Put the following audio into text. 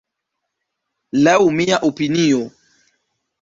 Laŭ mia opinio.